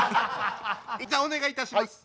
一旦お願いいたします。